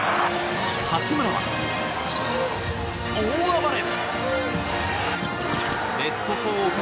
八村は、大暴れ！